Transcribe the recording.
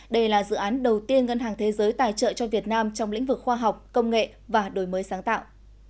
đây là dự án đầu tiên ngân hàng thế giới tài trợ cho việt nam trong lĩnh vực khoa học công nghệ và đổi mới sáng tạo